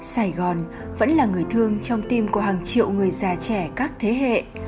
sài gòn vẫn là người thương trong tim của hàng triệu người già trẻ các thế hệ